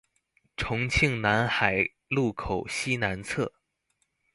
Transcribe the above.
重慶南海路口西南側